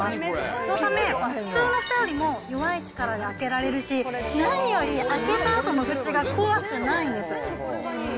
そのため、普通のふたよりも弱い力で開けられるし、何より開けたあとの縁が怖くないんです。